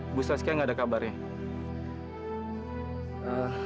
ibu soskiah enggak ada kabarnya